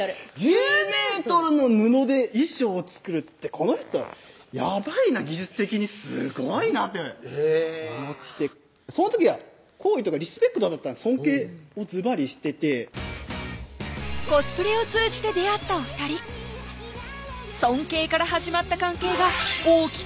１０ｍ１０ｍの布で衣装を作るってこの人やばいな技術的にすごいなってえぇその時は好意というかリスペクトだった尊敬をずばりしててコスプレを通じて出会ったお２人尊敬から始まった関係が大きく変わる出来事が